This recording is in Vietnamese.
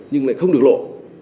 nhưng lại không được lộ